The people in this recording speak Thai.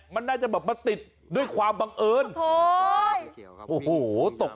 มันน่าจะแบบมาติดด้วยความบังเอิญโอ้โหตก